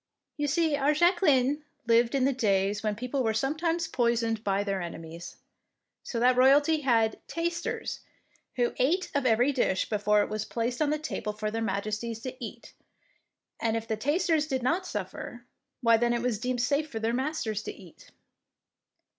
You see, our Jacqueline lived in the 58 THE PKINCESS WINS days when people were sometimes poi soned by their enemies, so that royalty had "tasters,'^ who ate of every dish before it was placed on the table for their Majesties to eat, and if the tasters did not suffer, why then it was deemed safe for their masters to eat.